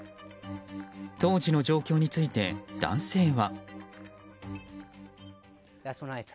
当時の状況について男性は。